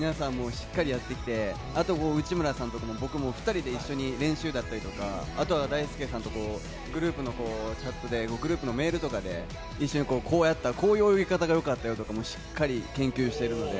しっかりやってきて、あと内村さんとかも僕も、２人で一緒に練習だったりとか、あとは大輔さんとグループのチャットで、グループのメールとかで一緒にこうやったら、こういう泳ぎ方がよかったよとかも、しっかり研究してるので。